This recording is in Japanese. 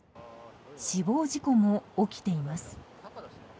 死亡事故も起きています。